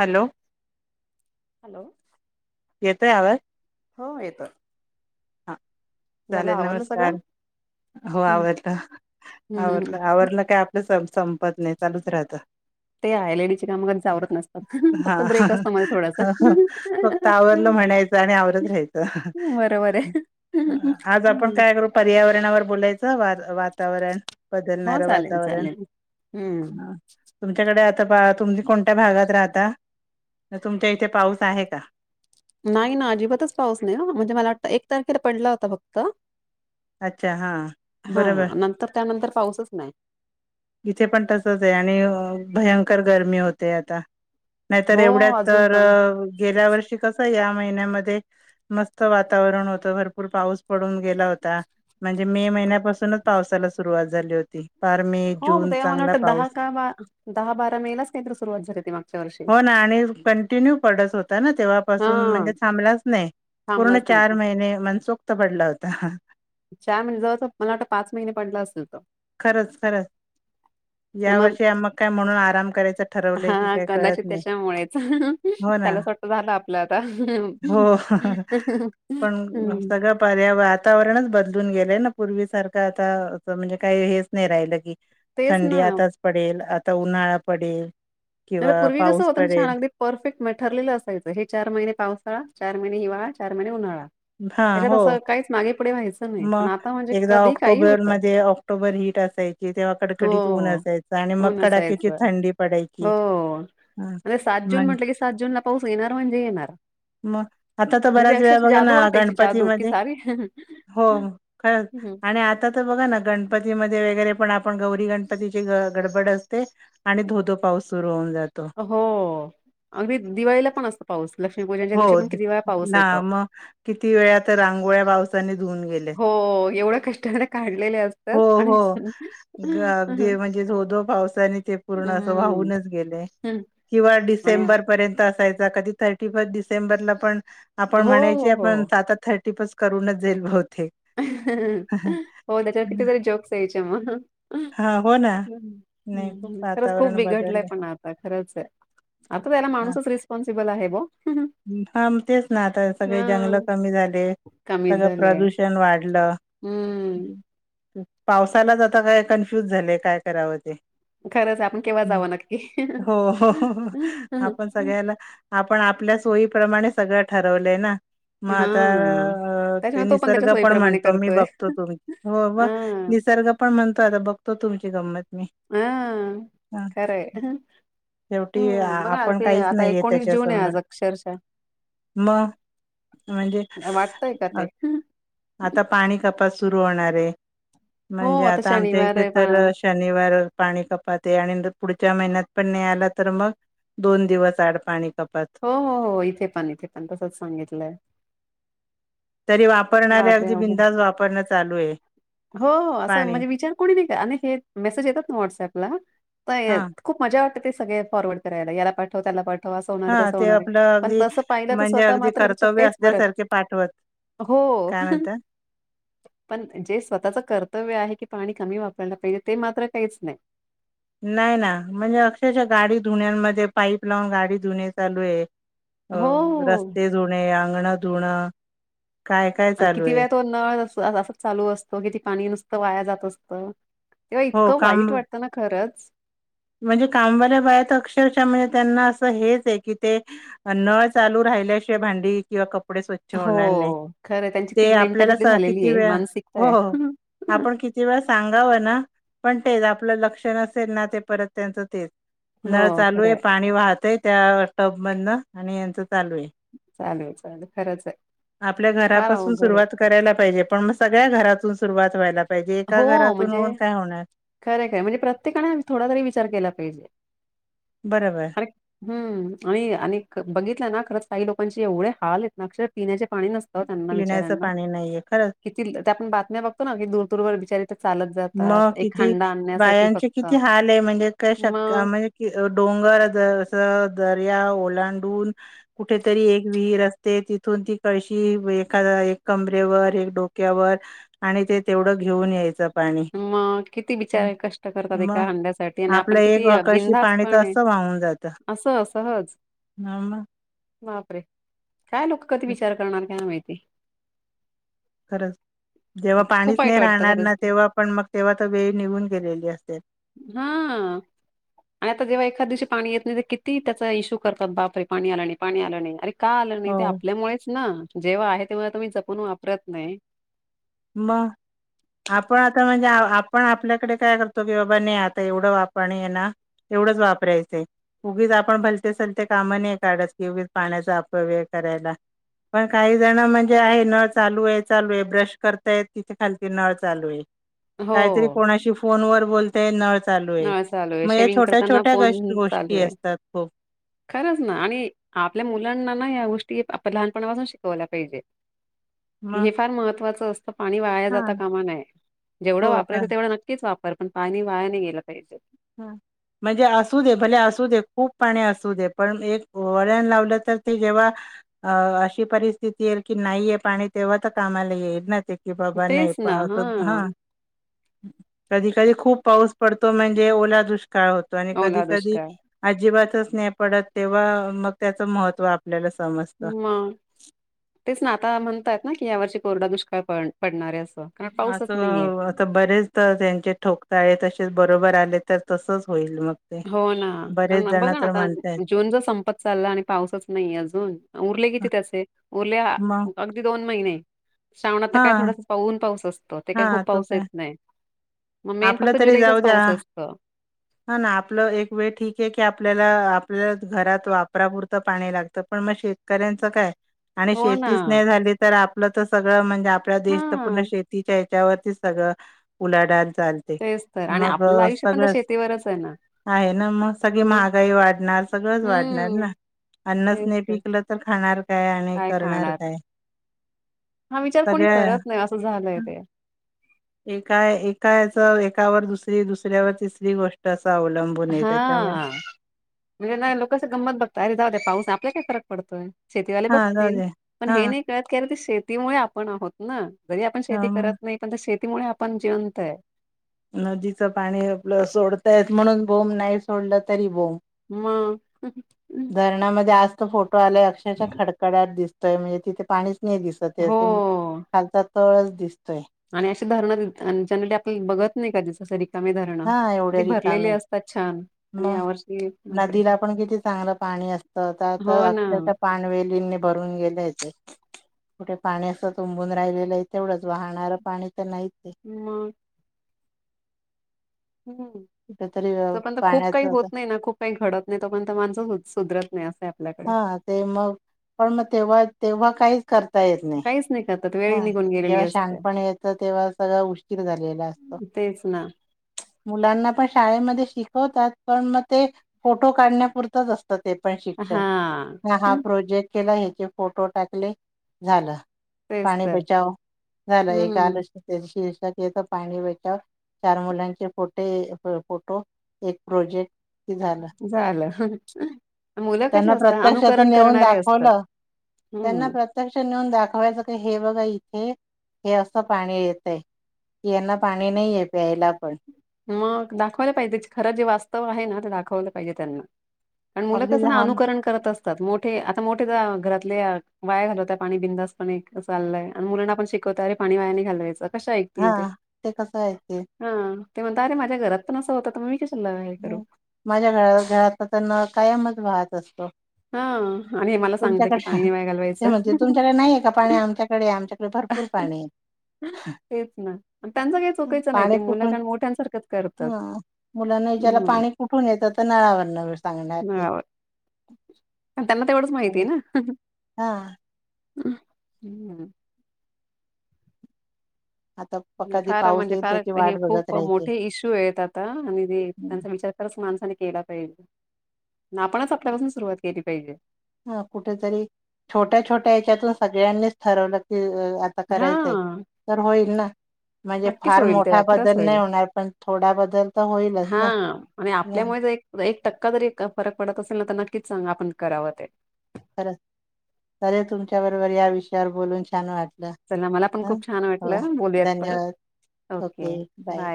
Hello hello येतंय आवाज. हो येतोय. हा झाल चालेल आवरल नमस्कार सगळं? हो आवरल, आवरल, हम्म आवरल! काय आपलं संपत नाही चालूच राहत. ते हाय लेडीज चे काम कधीच आवरत नसतात हा फक्त ब्रेक असतो मध्ये थोडासा म्हणायच आणि आवरत रहायचं बरोबर आहे आज आपण काय करू पर्यावरण बोलायच व वातावरण हो बदलणार चालेल वातावरण चालेल हम्म तुमच्याकडे आता तुम्ही कोणत्या भागात राहता तुमच्या इथे पाऊस आहे का नाही ना अजिबातच पाऊस नाही म्हणजे मला वाटत एक तारखेला पडला होता फक्त अच्छा हां बरं बरं हा नंतर त्यानंतर पाऊसच नाही इथे पण तसच आहे आणि भयंकर गरमी होते आता. नाहीतर हो एवढ्यात अजून तर पण गेल्या वर्षी कसं या महिन्यामध्ये मस्त वातावरण होत भरपूर पाऊस पडून गेला होता. म्हणजे मे महिन्यापासूनच पावसाला सुरुवात झाली होती. फार मे हो मगं जून ते मला चांगला वाटतं पाऊस दहा का, दहा, बारा मे ला च का ते सुरुवात झाली होती मागच्या वर्षी. हो ना आणि कंटिन्यू पडत होता ना तेव्हापासून, हा म्हणजे थांबलाच नाही, पूर्ण थांबलाच नाही चार तो महिने मनसोक्त पडला होता हा चार महिने जवळ जवळ मला वाटतय पाच महिने पडला असेल तो.. खरंच, खरंच, या मग वर्षी आ मगं काय म्हणून आराम करायच ठरवलंय की हा काय कळत कदाचित नाही.. त्याच्यामुळेच हो ना, त्याला असं वाटतं झालं आपलं आता. हम्म होऽऽऽ पन सगळ पर्यावरण ऽऽ वातावरणच बदलून गेलंय ना पूर्वी सारखं आता म्हणजे, ही हेच नाही राहिलं की.. तेच थंडी ना. आताच पडेल, आता उन्हाळा पडेल आता किंवा पूर्वी कसं पाऊस होत ना छान पडेल अगदी परफेक्ट ठरलेलं असायचं,, हे चार महिने पावसाळा चार महिने हिवाळा चार महिने उन्हाळा, त्याच्यात अस काही मागे पुढे व्हायचं नाही पण आता म्हणजे मगं एकदा कधी काही ऑक्टोबर होतं. मध्ये ऑक्टोबर हीट असायची तेव्हा हो कडकडीत ऊन अस.. य आणि मगं ऊन कडाक्याची असायचं थंडी पडायची.. हो ह आणि सात जून म्हटलं की सात जूनला पाऊस येणार म्हणजे येणार. मग आता तर मी ते बऱ्याच वेळा अक्षरशा बघा जादू ना वाटायची जादू, की गणपतीमध्ये सारी ही हो खरचं, आणि आता तर बघा ना गणपतीमध्ये. वगैरे पण आपण गौरी गणपतीची गडबड असते आणि धोधो पाऊस सुरू होऊन जातो. हो अगदी दिवाळीला पण असत पाऊस.. लक्ष्मीपूजनच्या हो दिवशी पण किती वेळा पाऊस येतो. ना, मगं किती वेळा तर रांगोळ्या पावसाने. घेऊन गेले, हो, एवढ्या कष्टाने काढलेले हो, असतात आणि हो, हं, ग म्हणजे--, धो धो पावसाने ते पूर्ण अस वाहूनच गेलेय. हं किंवा आणि डिसेंबर पर्यंत असायचं. [inaudible] हो, हो, हो. करूनच जाईल बहुतेक. हो त्याच्यावर कितीतरी जोक्स यायचे मग.. हा हो. ना ह नाही खूप हम्म खरंच खूप वातावरण बिघडलंय बदलले पण आता खरंच हाय. आता त्याला हा माणूसच रिस्पॉन्सिबल आहे बा. हा मगं तेच ना आता सगळे जंगल हां, कमी झाले,, कमी सगळं झालंय. प्रदूषण वाढले.. हं, ल,,, पावसालाच आता काय कन्फ्युज झाले काय करावं ते. खरंच आपण केव्हा हम्म, जावं नक्की. हो हो आपण सगळ्याला.. आपण आपल्या सोयीप्रमाणे सगळं ठरवलंय ना.. मगं हां. आता, ते त्याच्यामुळे तो त्याच्या निसर्ग पण सोयीप्रमाणे म्हणतो मी करतोय. बघतो, तुमी.. हां, निसर्ग पण म्हणतो आता बघतो तुम हा खरं आहे.. शेवटी हम्म आ- बघा आपण ते काहीच आता नाहीये एकोणीस जून आहे त्याच्यासमोर आज अक्षरशः. मग म्हणजे,, वाटतंय का ते? आता पाणी कपात सुरू होणार हाय हो, म्हणजे आता आमच्या शनिवार इथे आहे पा तर शनिवार पाणी कपाते आणि पुढच्या महिन्यात पण नाही आला तर मगं दोन दिवस आड पाणी कपात.. हो, हो, हो इथे पण, इथे पण तसच सांगितलंय. तरी वापरणारे बापरे! अगदी अवघड बिंदास वापरणं चालू आहे.. हो, हो असं पाणी म्हणजे विचार कोणी नाही का अ हे मेसेज येतात ना व्हॉट्सअपला.. हा खूप मजा वाटते ते सगळे फॉरवर्ड करायला याला पाठव, त्याला पाठव.. तवा असं होणार आहे, हा तसं ते होणार आहे, आपलं पण अगदी तसं पाहिलं तर म्हणजे स्वतः अगदी मात्र त्याच्यात कर्तव्य काहीच बरं.. असल्यासारखे पाठवत हो,,, काय म्हणतात पण जे स्वताच. ्कर्तव्य. ते आहे की पाणी कमी वापरायला पाहिजे ते मात्र काहीच नाही.. नाही ना,, ्हणजे अक्षरशः गाडी धुण्यामध्ये,,, पाईप लावून गाडी धुणे चालू आहे.. हो अं,,,, रस्ते हो. धुणे,,, अंगण धुणं. काय काय आणि चालू किती आहे वेळ तो नळ असाच चालू असतो.. किती पाणी नुसतं वाया जात असतं.. तेव्हा हो इतकं काम वाईट वाटतं ना खरंच.... म्हणजे कामवाल्या बायात अक्षरशः म्हणजे त्यांना असं हेच आहे की ते नळ चालू रा... ल्या भांडी किवा वछ हो खरं त्यांची ती नाही आपल्याला मेंटॅलिटी कि झालेली आहे मानसिकता आहे. आप किती सांगावं ना पण तेच आपलं लक्षण असेल ना ते परत त्यांचं तेच हो नळ चालू खरं आहे पाणी वाहतय त्या टब मधनं आणि यांच चालेू चालेल खरंच आहे आपल्या फार घरापासून अवघड आहे. सुरुवात करायला पाहिजे पण मग सगळ्या घरातून सुरुवात व्हायला पाहिजे एका हो घरातून म्हणजे होऊन काय होणार खरे खरे म्हणजे प्रत्येकाने थोडा तरी विचार केला पाहिजे बरोबर अरे हम्म आणि आणि बघितला ना खरं काही लोकांचे एवढे हाल आहेत ना अक्षर पिण्याचे पा पिण्याचं नना ब पाणी नाहीये खरंच कि आपण बातम्या बघतो ना दूरू बचारी मग किती बायांचे फक्त किती हाल आहे म्हणजे काय शक्य मग म्हणजे डोंगर दर्या ओलांडून कुठेतरी एक विर ते तिथून ती कळशी एखादा एक कमरेवर एक डोक्यावर आणि ते तेवढं घेऊन यायचं पाणी मग किती हं, बिचार कष्ट करतात एका मग हांड्यासाठी आणि आपलं आपण एक किती कळशी पाणी तर बिंधास्पण आहे असं असं सहज आम बापरे काय लोक कधी विचार करणार का माहिती खरच जेव्हा पाणीच खूप नाही वाईट वाटतं राहणार खरंच ना ते. तेव्हा पण मग तेव्हा तर वेळ निघून गेलेली असते हा आणि आता जेव्हा एखाद दिवशी पाणी येत नाही तर किती त्याचा इश्यू करतात बापरे पाणी आला नाही पाणी आलं नाही अरे का आलं नाही ते हो. आपल्यामुळेच ना जेव्हा आहे तेव्हा मी जपून वापरत नाही म आपण आता म्हणजे आपण आपल्याकडे काय करतो की बाबा नाही आता एवढं आपण ये ना तेवढंच वापरायचंय उगीच आपण भलते सलते काम नाही काढतच की उगीच पाण्याचा अपव्यय करायच पण काही जण म्हणजे आहे न चालू आहे चालू आहे ब्रश य तिाली नळ चालू आहे हो काहीतरी कोणा फोन व बय न चालू आहे नळ चालू आहे मग या शेविंग छोट्या करताना छोट्या ग फोन चालू गोष्टी आहे असतात खूप खरंच ना आणि आपल्या मुलांना ना या गोष्टी आपण लहानपणापासून शिकवल्या पाहिजे कि मग हे फार महत्वाचं असतं पाणी वाया हा जाता कामानय जेवढं हो का वापरायचं तेवढं नक्कीच वापर पण पाणी वायाने गेलं पाहिजे हम म्हणजे असू दे भले असू दे खूप पाणी असू दे पण एक वळण लावलं तर ते जेव्हा अ अशी परिस्थिती आहे की नाहीय पाणी तेव्हा तर कामाला येईल ना ते कि बाबा नाही तेच प ना अस हा हां कधी कधी खूप पाऊस पडतो म्हणजे ओला दृष्ट काळ होतो आणि कधी ओला कधी दुष्काळ अजिबात पत तेव मग त्याच महत्व आपल्याला समजतं. म तेच ना आता म्हणतायत ना की यावरची कोरडा दुष्काळ पडणारे अस असं अस बरेच त्यांचे ठोकताय त बरो आच होईल मग ते हो ना बरेच कार जण बघा ना तर आता म्हणतायत जून ज संपत चालला आणि पाऊसच नाही अजून उरले किती त्याचे उरले मग अगदी दोन महिने श्रवणात तर हा काय थोडासा पाऊून पाऊस असतो त ते काही हा खूप तो पाऊस काय येत नाही मग मेन आपलं फक्त तरी जुलैचाच जाऊ द्या पाऊस असतो. हा ना आप एक वेळ ठीक आहे की आपल्याला आप घरात वापपुर पाणी लागत पण मग शेतकऱ [unintelligible] आणि हो ना. शेती नाही झाली तर आपलं तर सगळ म्हणजे आप देश हां. हच्यावरती सगळ उलाडलं चालते तेच तर आणि मग आपलं आयुष्य पण त्या सगळंच शेतीवरच आहे ना. आहे ना मग सगळी मग महागाई वाढणार सगळंच वाढणार हम्म. ना अन्नच नाही पिकलं तर खाणार काय आणि करणार काय हा विचार कोणी करत नाही अस एकाय एकायच दुसरी दुसऱ्यावर तिसरी गोष्ट अस हा म्हणजे ना लोकच गंमत बघत अरे जाऊ पाऊस आप काय फरक पडतोय शेतीवाले हा जाऊ बघतील दे पण हा हे नाही कळत की अर ते शेतीमुळे आपण आहोत ना जरी आपण शेती अम, करत नाही पण शेतीमुळे आपण जिवंत आहे नदीचं पाणी आपलं सोडतायेत म्हणून बोब नाही सोडलं तरी बोम ह धरणामध्ये आजत फोटो आलाय अक्षरच्या खडकड्यात दिसतोय म्हणजे तिथे पाणी दिसत हो. खालचा तळच दिस आणि अशी धरण जन आपल्याला बघत नाही का जस हा एवढ्या क भरलेली रिकामे असतात छान मग वर्षी नदीला पण किती चांगलं पाणी असतं त्यात हो ना अक्षरच्या पाणवेलींने भरून गेलेचे [inaudible] कुठे पाणी असं तुंबून राहिलेलं आहे तेवढंच वाहणारं पाणी तर नाही ते मग हम्म कुठेतरी अ, तोपर्यंत खूप काही पाण्याचं होत असं- नाही ना खूप काही घडत नाही तोपर्यंत माणसं सुधरत नाही आहे आपल्याकडे. हा ते मग पण मग तेव्हा तेव्हा काहीच करता येत नाही काहीच करतात वेळ हा निघून गेलेली जेव्हा असते. शांगपण येतं तेव्हा सगळं उशीशीर झालेला असतो तेच ना मुलांना पण शाळेमध्ये शिकवतात पण मग ते फोटो काढण्यापुरतच असत ते पण शिक्षण हा ह हा प्रोजेक्ट केला ह्याचे फोटो टाकले झाला तेच पाणी तर बचाव झाला एक हम्म आलस त्याच्याव तेथ पाणी बेचाव चार मुलांचे फोटे फोटो एक प्रोजेक्ट कि झालं झालं मुलं कशी त्यांना असतात प्रत्यक्षात अनुकरण नेऊन करणारे असतात दाखवलं त्यांना हम्म. प्रत्यक्ष नेऊन दाखवायचं क हे बघा इचछ हे हे असं पाणी येत आहे की यांना पाणी नाहीय प्यायला पण मग दाखवयला पाहिजे खरं जे वास्तव आहे ना ते दाखवलं पाहिजे त्यांना कारण मुलं अगदी कस ना लहान अनुकरण करत असत ठे आता मोठे घरातले वाया घाल होत पाणी बिंद पण चालय आणि मुलांना आपण शिक वते पाणी वायाने घालवायच कशा हा ऐकतील ते कसं आहे ते हा ते म्हणता अे माझ्या घर पण असं होतं मी कशाला हे करू माझ्या घ घरात तर कायमच वाहत असतो हा आणि हे मला सांगितलं की तुमच्याकडे पाणी नाही वाया ते घालवायचं म्हणते तुमच्याकडे नाहीे का पाणी आमच्याकडे आमच्याक भरपूर पाणी आहे तेच ना त्यांच काही हं. चुकायचं नाही पाणी ते मुलं कुठून काण मोठ्यांसारखंच करतात ह मुलांना याच्याला हम्म पाणी कुठून येतं तर नळावर न सांगणार ते त्यांना तेवढंच माहितीय ना हा हम्म आता प कधी फार पाऊस म्हणजे येईल फार त्याची हे वाट बघत खूप राहायची मोठे इशू आहेत आता आणि ते त्यांचा विचार करच माण केला पाहिजे आपणच आपल्यापासून सुरुवात केली पाहिजे हा कुठेतरी छोट्या छोट्या हच्यातून सगळ्यांनीच ठरवलं की आता हा करायचंय तर होईल ना म्हणजे नक्कीच फार होईल मोठा तेव्हा खरंच बदल नाही होईल. होणार पण थोडा बदल तर होईलच ना मुळे एक टक्का जरी फरक पडत असेल ना तर नक्कीच सांग आपण कराव ते ले तुमच्या बरोबर या विषयावर बोलून छान वाट चला मला पण ह खूप छान हो वाटलं बोलूयात परत धन्यवाद ओके बाय